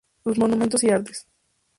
Sus monumentos y artes.